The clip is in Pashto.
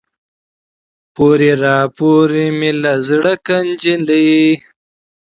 پورې راپورې مې له زړه که جينۍ